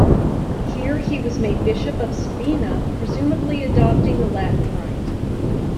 Here he was made Bishop of Sabina, presumably adopting the Latin Rite.